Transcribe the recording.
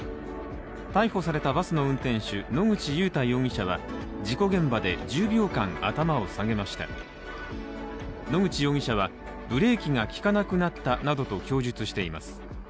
逮捕されたバスの運転手野口祐太容疑者は、事故現場で１０秒間、頭を下げました野口容疑者はブレーキがきかなくなったなどと供述しています。